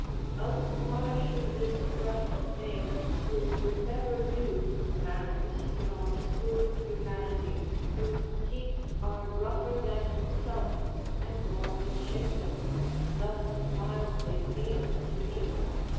Else why should this rough thing, who never knew Manners nor smooth humanity, whose heats Are rougher than himself, and more misshapen, Thus mildly kneel to me?